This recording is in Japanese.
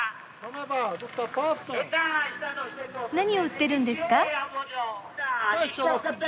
何を売ってるんですか？